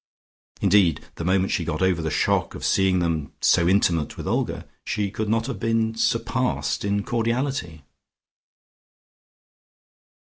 Indeed the moment she got over the shock of seeing them so intimate with Olga, she could not have been surpassed in cordiality.